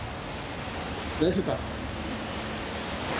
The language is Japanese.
大丈夫か？